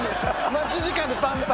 待ち時間でパンパンは。